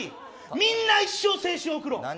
みんな一生青春を送ろう。